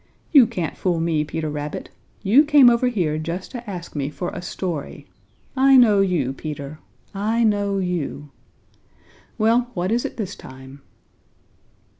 "You can't fool me, Peter Rabbit. You came over here just to ask me for a story. I know you, Peter! I know you! Well, what is it this time?"